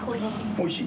おいしい。